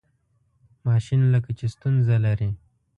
ماشین لکه چې ستونزه لري.